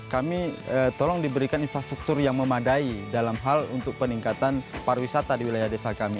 kami tolong diberikan infrastruktur yang memadai dalam hal untuk peningkatan pariwisata di wilayah desa kami